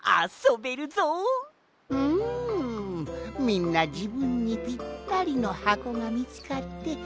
みんなじぶんにぴったりのはこがみつかってよかったのう。